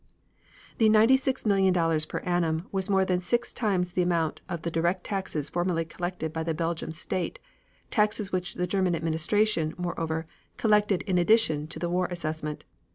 The $96,000,000 per annum was more than six times the amount of the direct taxes formerly collected by the Belgian state, taxes which the German administration, moreover, collected in addition to the war assessment.